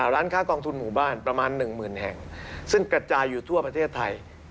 ร้านค้ากองทุนหมู่บ้านประมาณ๑๐๐๐แห่งซึ่งกระจายอยู่ทั่วประเทศไทย